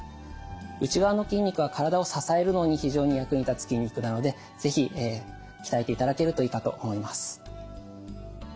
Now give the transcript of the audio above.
内側の筋肉は体を支えるのに非常に役に立つ筋肉なので是非鍛えていただけるといいかと思います。